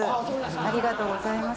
ありがとうございます。